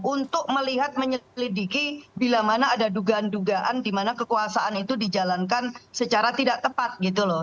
untuk melihat menyelidiki bila mana ada dugaan dugaan di mana kekuasaan itu dijalankan secara tidak tepat gitu loh